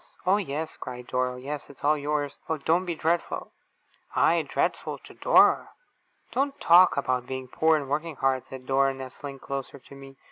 'Oh, yes!' cried Dora. 'Oh, yes, it's all yours. Oh, don't be dreadful!' I dreadful! To Dora! 'Don't talk about being poor, and working hard!' said Dora, nestling closer to me.